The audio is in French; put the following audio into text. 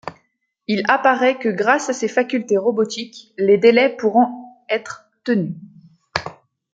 Il apparait que grâce à ses facultés robotiques, les délais pourront être tenus.